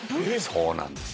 そうなんです。